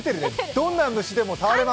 どんな虫でも触れます。